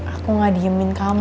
aku nggak diemin kamu